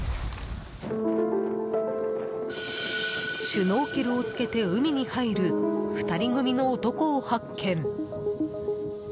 シュノーケルをつけて海に入る２人組の男を発見。